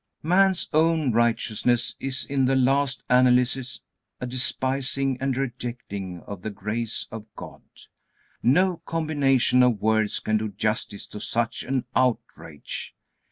Man's own righteousness is in the last analysis a despising and rejecting of the grace of God. No combination of words can do justice to such an outrage.